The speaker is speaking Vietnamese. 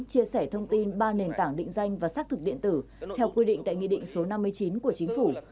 chia sẻ thông tin ba nền tảng định danh và xác thực điện tử theo quy định tại nghị định số năm mươi chín của chính phủ